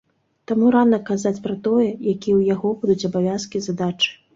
Таму рана казаць пра тое, якія ў яго будуць абавязкі і задачы.